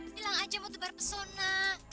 bilang aja mau tebar pesona